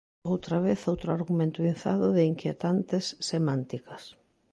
Outra vez outro argumento inzado de inquietantes semánticas.